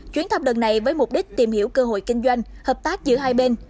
chuyến thăm lần này với mục đích tìm hiểu cơ hội kinh doanh hợp tác giữa hai bên